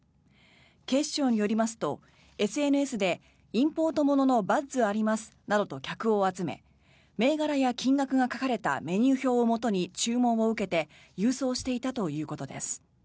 警視庁によりますとＳＮＳでインポートもののバッズありますと客を集め、銘柄や金額が書かれたメニュー表をもとに注文を受けて郵送していたということです。